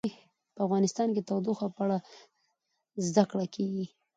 په افغانستان کې د تودوخه په اړه زده کړه کېږي.